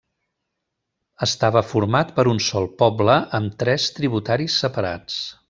Estava format per un sol poble amb tres tributaris separats.